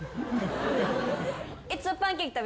いつパンケーキ食べに行く？